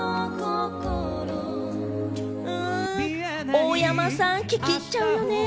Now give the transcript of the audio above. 大山さん、聴き入っちゃうよね。